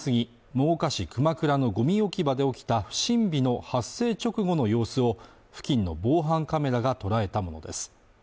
真岡市熊倉のゴミ置き場で起きた不審火の発生直後の様子を付近の防犯カメラが捉えたものです